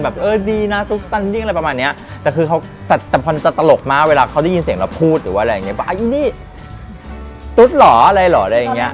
ไอ้นี่ตุ๊ดเหรออะไรเหรอ